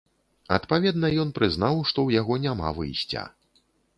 Адпаведна ён прызнаў, што ў яго няма выйсця.